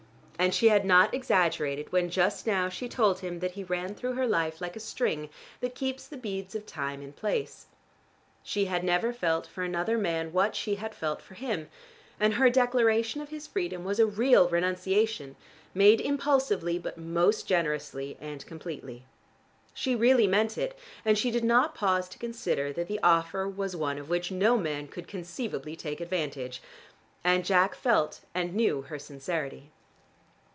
And she had not exaggerated when just now she told him that he ran through her life like a string that keeps the beads of time in place. She had never felt for another man what she had felt for him, and her declaration of his freedom was a real renunciation, made impulsively but most generously and completely. She really meant it, and she did not pause to consider that the offer was one of which no man could conceivably take advantage. And Jack felt and knew her sincerity.